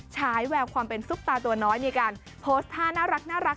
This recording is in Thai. ฉายแววความเป็นซุปตาตัวน้อยมีการโพสต์ท่าน่ารัก